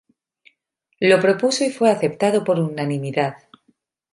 Lo propuso y fue aceptado por unanimidad.